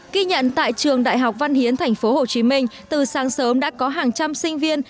ký nhận tại trường đại học văn hiến tp hcm từ sáng sớm đã có hàng trăm sinh viên